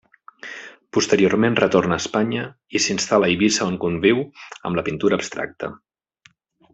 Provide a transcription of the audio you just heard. Posteriorment retorna a Espanya i s'instal·la a Eivissa on conviu amb la pintura abstracta.